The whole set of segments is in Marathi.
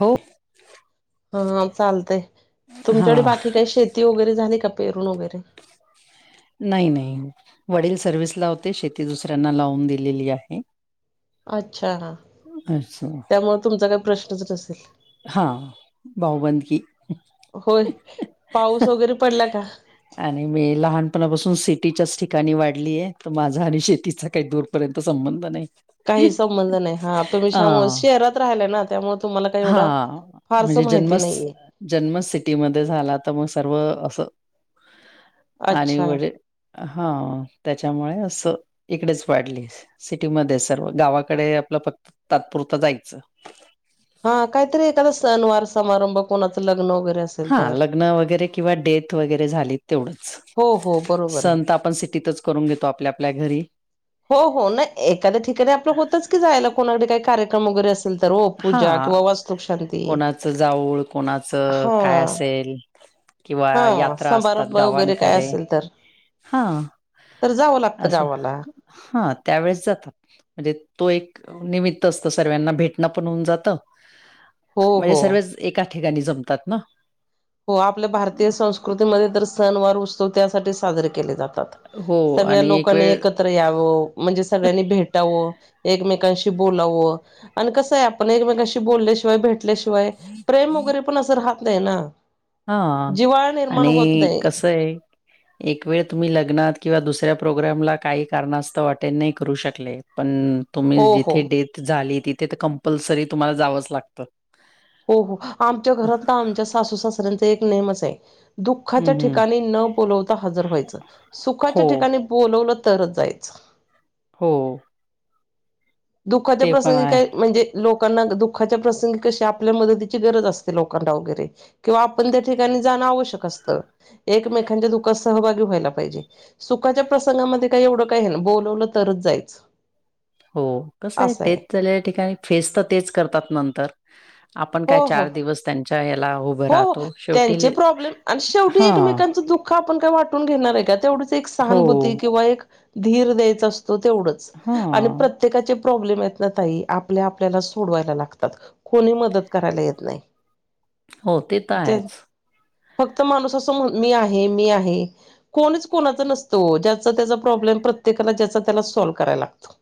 हो. हा, चालतंय. हा तुमच्याकडे बाकी काही, शेती वगैरे झाली का पेरून वगैरे? नाही-नाही. वडील सर्व्हीसला होते, शेती दुसऱ्यांना लावून दिलेली आहे. अच्छा ह असं त्यामुळे तुमचा काही प्रश्नच नसेल. हां भाऊबंद की. होय पाऊस वगैरे पडला का. आणि मी लहानपणापासून सिटीच्याच ठिकाणी वाढलीय तर माझा आणि शेतीचा काही दूर. पर्यंत संबंध नाही. काही संबंध नाही. हा, अ तुमच्यामूळं शहरात राहिलाय ना त्यामुळे तुम्हाला काही हा एवढा फारसं माहिती नाहीये. जन्म सिटी मध्ये झाला, तर मग सर्व असं आणि अच्छा म्हजे हा, त्याच्यामुळे असं इकडेच वाढलीस. सिटीमध्येच सर्व. गावाकडे आपलं, फक्त तात्पुरतं जायचं. हा काहीतरी एखादा सनवार समारंभ कोणाचं लग्न वगैरे अस. हा लग्न वगैरे किंवा डेथ वगैरे झाली तेवढंच. हो हो बरोबर आहे संण तर आपण सिटीतच करून घेतो आपल्या आपल्या घरी हो हो ना एखाद्या ठिकाणी आपलं होतच की जायला कोणाकडे काही कार्यक्रम वगैरे अस. हा कोणाचं जाऊळ कोणाचं काय हा असेल. किंवा हा यात्रा असतात समारंभ गावां वगैरे काय कडे असेल तर हां तर जावं लागतं अस. गावाला हा त्यावेेळेस जातात म्हणजे तो एक निमित्त असतो सर्वांना भेट. भेटन पण होऊन जात हो हो म्हणजे सर्वच एका ठिकाणी जमतात ना. हो आपल्या भारतीय संस्कृतीमध्ये तर सण वार उत्सव त्यासाठी साजरे केले जातात. हो सगळ्या आणि एक लोकांनी वेळ एकत्र. एकत्र याव म्हणजे सगळ्यांनी भेटावं एकमेकांशी बोलावं. आणि कसं आहे आपण एकमेकांशी बोलल्याशिवाय भेटल्याशिवाय प्रेम वगैरे पण असं राहत नाही ना. हा जिव्हाळा निर्माण आणि होत नाही कसं आहे. एक वेळ तुम्ही लग्नात किंवा दुसऱ्या प्रोग्रामला काही कारणास्तव अटेंड नाही करू शकले. पण तुम्ही हो हो जिथे डेथ झाली तिथे कंपल्सरी तुम्हाला जावंच लागतं. हो हो आमच्या घरात तर आमच्या सासू सासऱ्यांचा एक नियमच आहे हम्म दुःखाच्या हम्म. ठिकाणी न बोलवता हजर व्हायचं सुखाच्या हो, ठिकाणी बोलवलं तरच जायचं हो दुःखाच्या ते पण प्रसंगी आहे. काय म्हणजे लोकांना दुःखाच्या प्रसंगी कशी आपल्या मदतीची गरज असते लोकांना वगैरे किंवा आपण त्या ठिकाणी जाणं आवश्यक असतं एकमेकांच्या दुखात सहभागी व्हायला पाहिजे सुखाच्या प्रसंगामध्ये काय एवढं काय आहे नाही बोलवलं तरच जायचं हो कसं आहे डेथ झालेल्या ठिकाणी फेस तर तेच करतात नंतर आपण काय हो हो चार दिवस त्यांच्या याला उभं हो हो राहतो शेवटी त्यांचे प्रॉब्लेम आणि शेवटी हां. एकमेकांचं दुःख आपण काय वाटून घेणार आहे का तेवढी हो. सहानुभूती किंवा एक धीर द्यायचा असतो तेवढच आणि प्रत्येक हां. प्रत्येकाचे प्रॉब्लेम आहेते ना ताई आपल्या आपल्याला सोडवायला लागतात कोणी मदत करायला येत नाही हो ते तर आहेच फक्त माणूस असं मी आहे मी आहे कोणीच कोणाचा नसतो ज्याचा त्याचा प्रॉब्लेम प्रत्येकाला ज्याचा त्यालाच सोल्व्ह करावा लागतो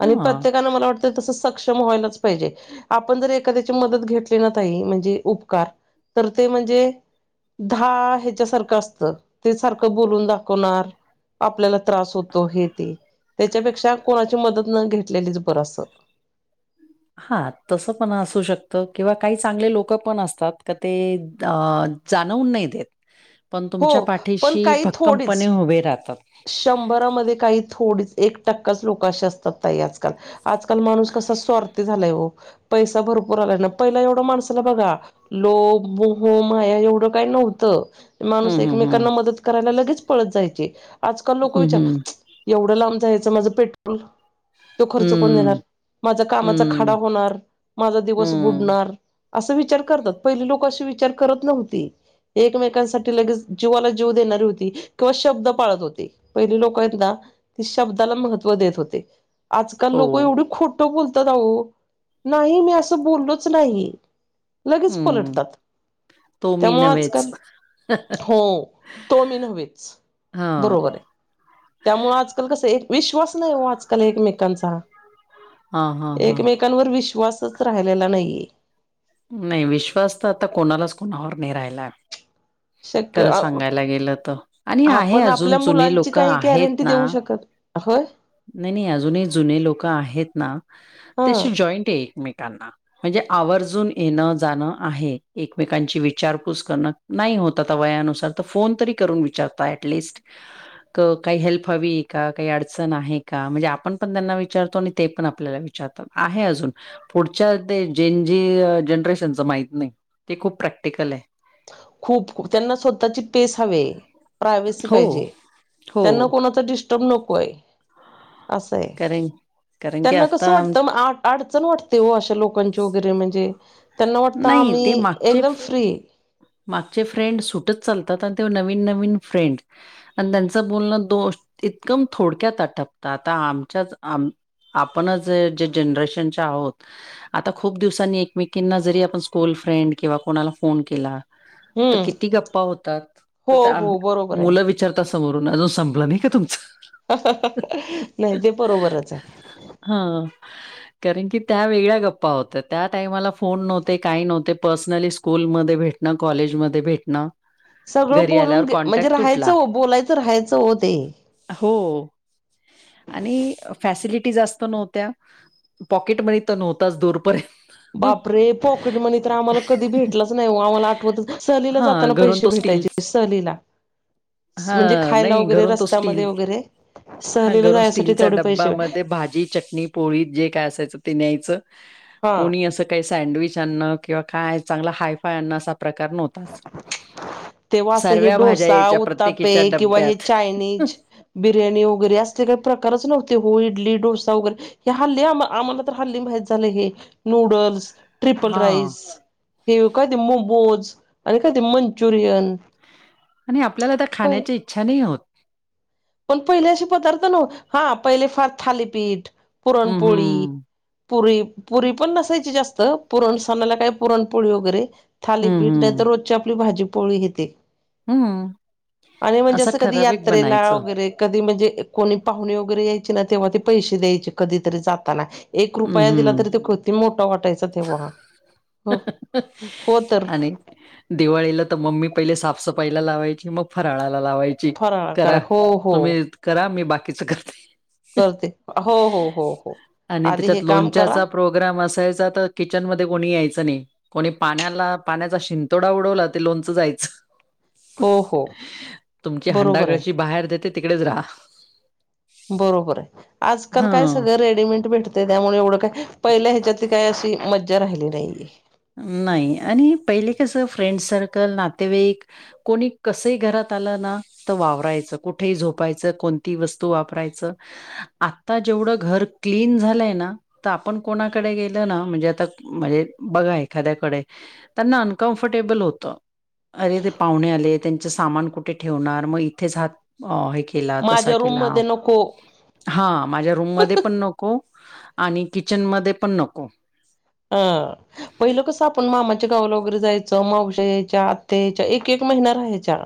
आणि हां. प्रत्येकानं मला वाटतं तस सक्षम व्हायलाच पाहिजे आपण जर एखाद्याची मदत घेतली ना ताई म्हणजे तर ते म्हणजे दहा ह्याच्यासारखं असत ते सारखं बोलून दाखवणार आपल्याला त्रास होतो हे ते त्याच्यापेक्षा कोणाची मदत न घेतलेलीच बर असते हा तसं पण असू शकतं किंवा काही चांगले लोक पण असतात का ते अ जाणवून नाही देत पण तुमच्या हो पण पाठीशी काही भक्कमपणे थोडीच उभे राहतात शंभरामध्ये काही थोडीच एक टक्काच लोक काही असतात ताई आजकाल आजकाल माणूस कसा स्वार्थी झालाय हो पैसा भरपूर आलाय ना पहिला एवढं माणसाला बघा लो मोह माया एवढं काय नव्हतं. हं, माणूस हं, हं. एकमेकांना मदत करायला लगेच पळत जायचे आजकाल लोक हं, हं. विचार एवढं लांब जायचं माझं पेट्रोल तो खर्च कोण देणार हं, माझ्या कामाचा खाडा हं, होणार माझा दिवस हं. बुडणार असं विचार करतात पहिले लोक असा विचार करत नव्हते एकमेकांसाठी लगेच जीवाला जीव देणारी होती किंवा शब्द पाळत होते पहिले लोक आहेत न ती शब्दाला महत्त्व देत होते आजकाल हो. लोक एवढी खोट खोट बोलतात आहो नाही मी असं बोललोच नाही लगेच हं. पलटतात. तो मी त्यामु नव्हेच. आजकाल हो तो मी नव्च हां. बरोबर आहे त्यामु आजकाल कसं एक विश्वास नाही हो आजकाल एकमेकांचा हम हम हम्. कांवर विश्वासच राहिलेला नाहीे. नाही विश्वास तर आता कोणालाच कोणावर नाही राहिला आहे. शक्य खरं सांगायला गेलं तर आणि आहे आपण अजून आपल्या जुने लोक आहेत ना. हो. नाही नाही अजूनही जुने लोक आहेत ना हा त्याशी जॉईंट आहे एकमेकांना म्हणजे आवर्जून येणं जाणं आहे एकमेकांची विचारपूस करणं. नाही होतता वयानुसार तर फोन तरी करून विचारता ऍटलिस्ट काही हेल्प हवी काही अडचणी नाही का म्हणजे आपण पण त्यांना विचारतो आणि ते पण आपल्याला विचारतो आहे अजून पुढच्या ते जे जी जनरेशनच माहित नाही ते खूप प्रॅक्टिकल आहे. खूप त्यांना स्वतःची पेस हवे प्रायवसी हो, पाहिजे हो. त्यांना कोणाचा डि नकोय असय कारण कारण की त्यांना कस आता वाटत म आठ. अडचण वाटते हो अशा लोकांची वगैरे म्हणजे त्यांना वाटतं नाही ते आम्ही मागचे एकदम फ्री मागचे फ्रेंड सुटत चालतात आणि ते नवीन नवीन फ्रेंड आणि त्यांचं बोलणं दोष इतकम थोडक्यात आटपत आता आमच्याच आम आपणच जे जनरेशनच्या आहोत आता खूप दिवसांनी एकमेकींना जरी आपण स्कूल फ्रेंड किंवा कोणाला फोन केला तर हम्म किती गप्पा होतात हो हो [unintelligible] बरोबर आहे मुलंवी विचारता समोरून अजून संपलं नाही का तुमचं. नाही ते बरोबरच आहे. हा. कारण की त्या वेगळ्या गप्पा होत्या त्या टायमाला फोन नव्हते काही नव्हते पर्सनली स्कूलमध धे भेटण कॉलेजमध्ये भेटण. सगळं बोलून घे म्हणजे राहायचं हो बोलायचं राहायचं हो ते. हो आणि फॅसलिटी जास्त नव्हत्या पॉकेट मध्ये तर नव्हताच दुरपर्यंत बापरे पॉकेट मनी तर आम्हाला कधी भेटलच नाही आम्हाला आठवतच सहलीला हां, जाताना पैसे भेटयचे सहलीला. हा म्हणजे खायला नाही वगैरे घरून तो रस्त्यामध्ये स्टील वगैरे हा सहलीला घरून जायसाठी स्टीलच्या तेवढे पैसे डब्बा मध्ये भाजी चटणी पोळीत जे काय असायचं ते न्यायच हा कोणी अस ते सँडविच आणण किंवा काय चांगला हायफाय अन्नाचा प्रकार नव्हताच. तेव्हा असं हे सर्व्या भाज्या डोसा यायच्या उतापे प्रत्येकीच्या किंवा हे डब्यात. चायनीज बिर्याणी वगैरे असले काही प्रकारच नव्हते हो इडली डोसा वगैरे हे हल्ली आम आम्हाला तर हल्ली माहित झाल हे नूडल्स ट्रिपल हां राईस हे काय ते मोमोज आणि काय ते मंचुरियन. आणि आपल्याला त्या पहिला खाण्याची इच्छा नाही होत. पण पहिले अशे पदार्थ नो हा पहिले फार थालीपीठ हं, पुरणपोळी हं. पुरी पुरी पण नसायची जास्त पुरण सनाला काय पुरणपोळी वगैरे. हं, थालीपीठ नाही तर हं. रोजची आपली भाजी पोळी हेते. हं. आणि म्हणजे असं कधी ठराविक यात्रेला बनायचं. वगैरे कधी म्हणजे कोणी पाहुणे वगैरे यायची ना तेव्हा ते पैसे द्यायचे कधीतरी जाताना एक हं, रुपया दिला हं. तरी ते किती मोठा वाटायचा तेव्हा हो हो तर. आणि दिवाळीला तर मम्मी पहिले साफसफाईला लावायची मग फराळाला लावाय ची फराळ करा हो हो तुम्ही करा मी बाकीच करते. करते हो हो हो हो आधी हे काम करा ग्राम असायचा तर किचन मध्ये कोणी यायच नाही कोणी पाण्याला पाण्याचा शिंतोडा उडवला ते लोणचं जायचं. हो हो तुमची हंडा बरोबर आहे कळशी बाहेर देते तिकडेच राहा. बरोबर आहे आजकाल हा काय सगळं रेडीमेट भेट ते त्यामुळे एवढं काय पहिल्या ह्याच्यातली काही अशी मज्जा राहिली नाहीये. नाही आणि पहिले कसं फ्रेंड सर्कल नातेवाईक कोणी कसही घरात आलं ना तर वावरायचं कुठेही झोपायचं कोणती वस्तू वापरायचं आता जेवढं घर क्लीन झालंय ना तर आपण कोणाकडे गेल ना म्हणजे आता म्हणजे बघा ये एखाद्याकडे त्यांना अनकम्फर्टेबल होतं. अरे ते पाहुणे आले त्यांचे सामान कुठे ठेवणार मग इथेच हात अ हे केला तसा माझ्या रूम केला. मध्ये नको हा माझ्या रूममध्ये पण नको आणि किचनमध्ये पण नको. [unintelligible] पहिलं कसं आपण मामाच्या गावाला वगैरे जायचो मावश्या यायच्या आत्त्या यायच्या एक एक महिना राहायच्या.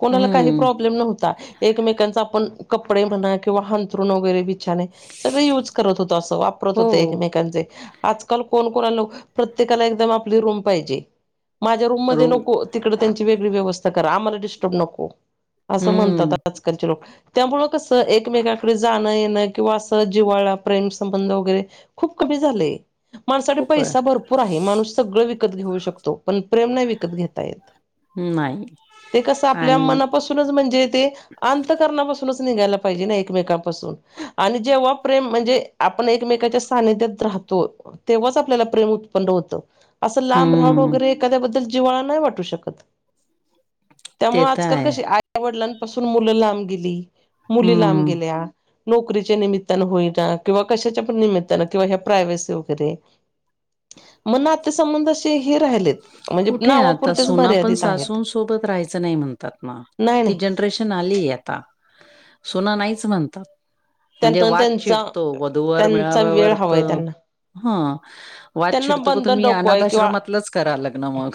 कोणाला काही हम्म. प्रॉब्लेम नव्हता एकमेकांचा आपण कपडे म्हणा किंवा हांथरुण वगैरे बी छान हे सगळ युज करत होतो अस वापरत हो. होते एकमेकांचे आज कल कोण कोणा लव प्रत्येकाला एकदम आपली रूम पाहिजे माझ्या रूम मध्ये नको. तिकड त्यांची वेगळी व्यवस्था कर आम्हाला डिस्टर्ब नको असं म्हणतात हम्म. आजकालचे लोक. त्यामुळं कसं एकमेकाकडे जाणं येणं किंवा असं जिवाळा प्रेम संंबंध वगैरे, खूप कमी झालंय माणसाठी खूप आहे. पैसा भर पूर आहे माणूस सगळं विकत घेऊ शकतो पण प्रेम नाही विकत घेता येत. नाही ते कस आपल्या आणि मनापासूनच म्हणजे ते आण अंतकरणापासूनच निघायला पाहिजे ना, एकमेककापासून. आणि जेव्हा प्रेम म्हणजे आपण एकमेकच्या सानिध्यात राहतो. तेव्हाच आपल्याला प्रेम उत्पन्न होतं असं लांब राऊंन हम्म. वगैरे, एखाद्या बद्दल जिव्हाला नाहि वाटू शकत ते त्यामुलं तर आजकाल आहे. कशे आय वडलांनपासून मुलं लांब गेली मुली लांब हम्म. गेल्या. नोकरीच्या निमित्तानं होईटा किंवा कशाच्या पण निमित्तानं किंवा ह्या प्रायवेसी हो. [unintelligible] मनात. त संबंध असे हे राहिलेत म्हणजे कुठे आता नावापुरतेच सुना पण मर्यादित आहेत. सासूंसोबत राहायचं नाही म्हणतात ना. नाही नाही. ती जनरेशन आली हे आता सुना नाहीच म्हणतात. म्हणजे त्यांना वाद त्यांचा छिडतो वधूवर त्यांचा वेळ मेळाव्यावर त हवाय त्यांना ह. वाद त्यांना छिडतो क बंधन तुम्ही अनाथ नकोय किंवा आश्रमातलंच करा लग्न मग.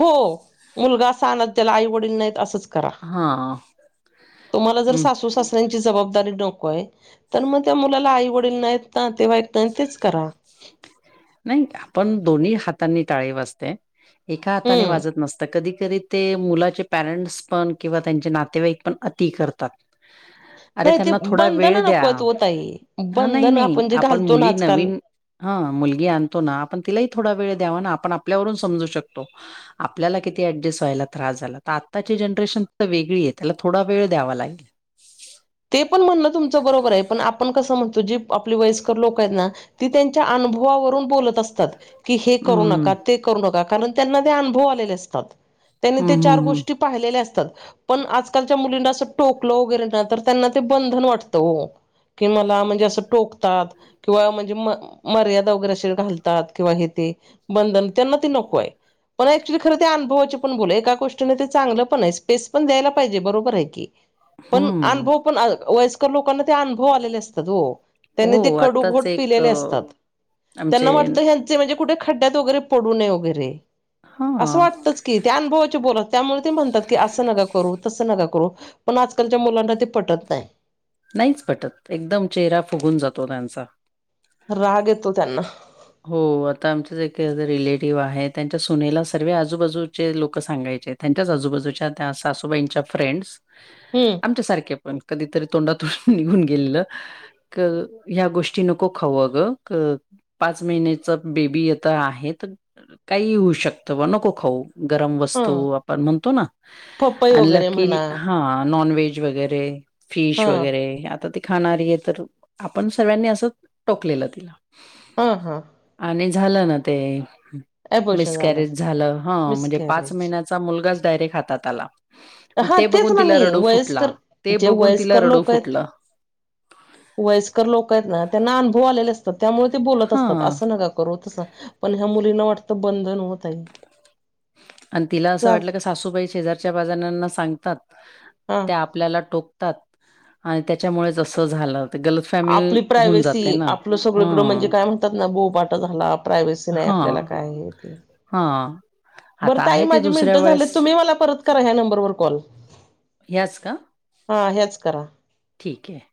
हो मुलगा असा आणत त्याला आईवडील नाहीत आसंच करा. हा. तुम्हाला जर सासू सास त्यांची जबाबदारी डोकोय तर मग त्या मुलाला आई वडील नाहीत ना, तेव्हा एक त्यान तेच कराव. नाही आपण दोन्ही हातानी टाळे वाजते एका हाताने हम्म वाजत नस त कधी कधी ते मुलाचे पॅरेंट्स पण किंवा त्यांचे नातेवाईक पण अती करतात. अरे नाही ते त्यांना थोडा बंधन वेळ द्या नकोत ओ ताई ह नाही बंधन नाही आपण जे आप घालतो ना मुली आजकाल नवीन हा मुलगी आणतो ना, आपण तिलाही थोडा वेळ द्याव ना, आपण आपल्यावरून समजू शकतो. आपल्याला किती ऍडजस्ट व्हायला त्रास झाला त आत्ताची जनरेशन त वेगळी हे त्याला थोडा वेळ द्यावा लागेल. ते पण म्हणणं तुमचं बरोबर आहे पण आपण कसं म्हणतो जी आपली वयस्कर लोक आहेत ना. ती त्यांच्या अनुभवावरून बोलत असतात. की हे करू हं, नका ते करू नका कारण त्यांना ते अनुभव आलेले असतात त्यांनी हं, ते हं, चार हं. गोष्टी पाहीलेले असतात पण आजलच्या मुलींटोकलं वगैरे तर त्यांना ते बंधन वाटत ओ कि मला म्हणजे अस टोकतात. किंवा म्हणजे म मर्यादा वगैरे अशील घालतात किंवा हे ते. बंधन त्यांना ती नकोय. पण ऍक्च्युली खरं त्या अनुभवाची पण बोल आहे एका गोष्टीने ते चांगलं पण आहे स्पेस पण द्यायला पाहिजे बरोबर आहे की. पण हम्म. अनुभव पण अ वयस्क कर लोकांना ते अनुभव आलेले असतात हो त्यांनी हो, ते कडू आत्ताच घोट एक अ, पिलेले असतात. त्यांना आमचे वाटत ह्यांचे म्हणजे कुठे खड्ड्यात वगैरे, पडू नये वगैरे आसं हां. वाटतच. की त्या अनुभवाचे बोल अस [unintelligible] त्यामुळे ते म्हणतात की असं नका करू तसं नका करू पण आजकालच्या मुलांना ते पटत नाही. नाहीच पटत एकदम चेहरा फुगून जातो त्यांचा. राग येतो त्यांना. हो आता आमचे ज एक रिलेटिव्ह आहे त्यांच्या सुनेला सर्व आजूबाजूचे लोक सांगायचेत. त्यांच्याच आजूबाजूच्या त्या सासूबाईंच्या फ्रेंड्स. हम्म. आमच्या सारखे पण कधीतरी तोंडातून निघून गेलेल. क ह्या गोष्टी नको खाऊ अगं क पाच महिन्याच बेबी आता आहे त काही होऊ शकतं बा नको खाऊ. गरम वस्तू हा. आपण म्हणतो ना पपई अन वगैरे म्हणा लकीली हा नॉन व्हेज वगैरे फिश हा वगैरे आता ते खाणारी आहे तर आपण सर्वांनी असं टोकलेलं तिला. हा हा. आणि झालं न ते मिसकॅरेज झालं ह म्हणजे पाच मिसकॅरेज महिन्याच चा मुलगाच डायरेक्ट हातात आला. हा ते तेच बघून ना मी तिला रडू फुटला वयस्कर ते जे बघून तिला वयस्कर रडू लोक येत फुटलं वयस्कर लोक आहेत ना त्यांना अनभव आलेले असतात त्यामुळे ते बोलत असतात हा असं नका करू तसं पण ह्या मुलींना वाटतं बंधन होतय. आणि तिला असं वाटलं की सासूबाई शेजारच्या पाजारांना सांगतात हा त्या आपल्याला टोक तात आणि त्याच्यामुळेच असं झालं. ते गलत फॅमी आपली होऊन प्रायव्हसी जाते ना. आपलं सगळकडं म्हणजे हं. काय म्हण तात ना बोबाटा झाला प्रायवसी नाही आपल्याला काय हे ते हा. बरं ताई माझी मिनटं झालेत तुम्ही मला परत करा ह्या नंबरवर कॉल. याच का हा ह्याच करा ठीक आहे.